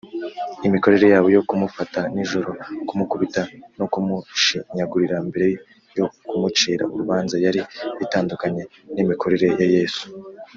imikorere yabo yo kumufata nijoro, kumukubita no kumushinyagurira mbere yo kumucira urubanza, yari itandukanye n’imikorere ya yesu